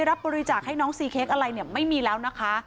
รับบริจาคให้น้องซีเค้กอะไรเนี่ยไม่มีแล้วนะคะ